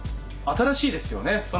新しいですよね